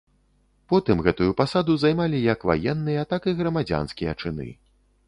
Потым гэтую пасаду займалі як ваенныя, так і грамадзянскія чыны.